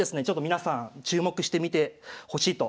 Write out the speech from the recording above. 皆さん注目してみてほしいと思います。